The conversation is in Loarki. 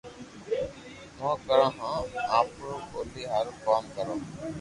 مون ڪرو ھين آپرو ٻولي ھارون ڪوم ڪرو